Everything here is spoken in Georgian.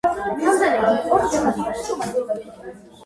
ოლქის ადმინისტრაციული ცენტრია ქალაქი პლევენი.